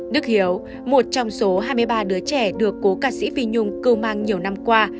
đức hiếu một trong số hai mươi ba đứa trẻ được cố ca sĩ vi nhung cưu mang nhiều năm qua